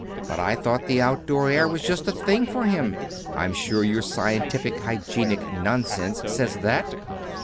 "But I thought the outdoor air was just the thing for him. I'm sure your scientific hygienic nonsense says _that!